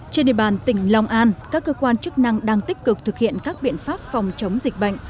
trên địa bàn tỉnh long an các cơ quan chức năng đang tích cực thực hiện các biện pháp phòng chống dịch bệnh